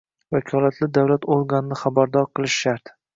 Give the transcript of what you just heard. vakolatli davlat organini xabardor qilish shart